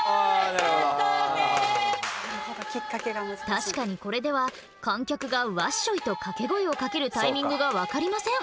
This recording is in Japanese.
確かにこれでは観客が「わっしょい」と掛け声をかけるタイミングが分かりません。